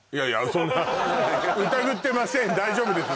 そんなうたぐってません大丈夫です